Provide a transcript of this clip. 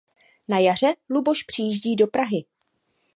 Na jaře Luboš přijíždí do Prahy.